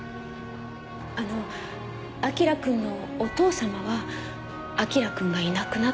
あの彬くんのお父様は彬くんがいなくなった事を？